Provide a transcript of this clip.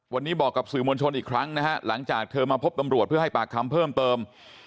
วันนี้บอกกับสื่อมวลชนอีกครั้งนะฮะหลังจากเธอมาพบตำรวจเพื่อให้ปากคำเพิ่มเติม